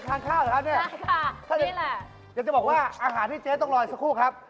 อยากจะบอกว่าอาหารที่เจ๊ต้องรออีกสักครู่ครับ